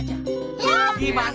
gimana kalau kita rame rame